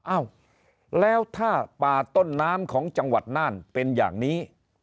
อ้าวแล้วถ้าป่าต้นน้ำของจังหวัดน่านเป็นอย่างนี้